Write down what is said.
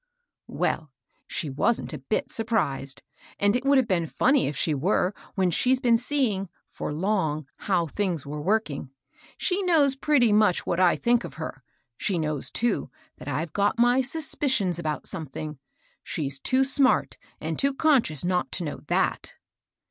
" Well, she wasn't a bit surprised ; and it would have been funny if she were, when she's been see ing, for long, how things were working. She knows pretty much what I think of her; she knows, too, that I've got my suspicions about some thing. She's too smart and too conscious not to know ihat.